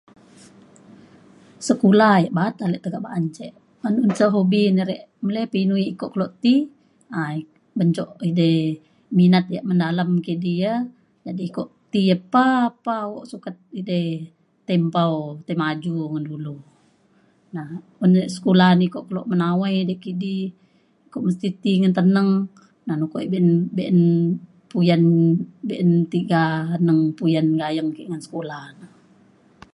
Sekula ia' ba'at ale teka ba'an ce. anun ca hobi na rek melei inu pa iko ti um ban cok edai minat ia' mendalem kidi ia' jadi iko ti ya pa pa uk sukat edai tei mpau tei maju ngan dulu. Na un sekula ni iko kelo menawai nekidi iko mesti ti ngan teneng na iko be'un be'un puyan be'un tiga neng puyan gayeng ke ngan sekula na